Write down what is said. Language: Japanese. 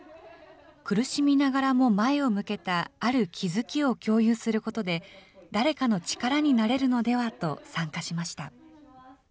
苦しみながらも前を向けた、ある気付きを共有することで、誰かの力になれるのではと参加しました。